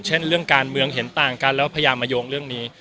เช่นเรื่องการเมืองเห็นต่างกันแล้วพยายามมาโยงเรื่องนี้